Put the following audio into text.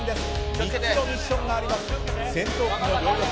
３つのミッションがあります。